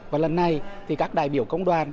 và lần này thì các đại biểu công đoàn